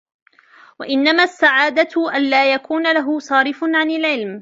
وَإِنَّمَا السَّعَادَةُ أَنْ لَا يَكُونَ لَهُ صَارِفٌ عَنْ الْعِلْمِ